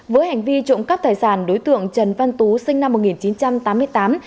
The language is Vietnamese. với hành vi trộm cắp tài sản đối tượng trần văn tú sinh năm một nghìn chín trăm tám mươi tám